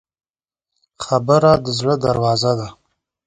خبره د زړه دروازه ده.